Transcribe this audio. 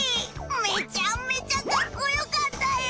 めちゃめちゃかっこよかったよ！